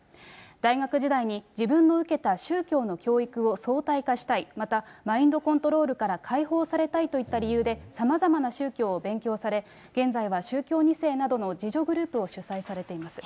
大学時代に、自分の受けた宗教の教育を相対化したい、また、マインドコントロールから解放されたいといった理由で、さまざまな宗教を勉強され、現在は宗教２世などの自助グループを主催されています。